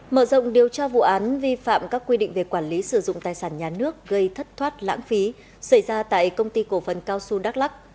mở rộng điều tra vụ án vi phạm các quy định về quản lý sử dụng tài sản nhà nước gây thất thoát lãng phí xảy ra tại công ty cổ phần cao xu đắk lắc